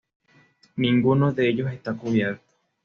Ninguno de ellos está cubierto.